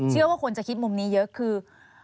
เชื่อว่าคนจะคิดมุมนี้เยอะคือ